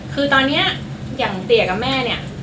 คือตอนนี้อย่างเตี๋ยกับแม่เนี่ย